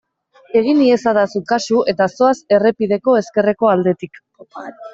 Egin iezadazu kasu eta zoaz errepideko ezkerreko aldetik.